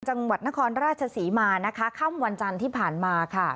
จังหวัดนครราชศรีมานะคะค่ำวันจันทร์ที่ผ่านมาค่ะ